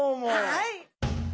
はい！